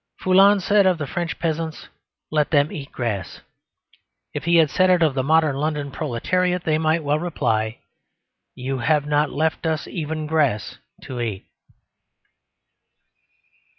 Foulon said of the French peasants, "Let them eat grass." If he had said it of the modern London proletariat, they might well reply, "You have not left us even grass to eat."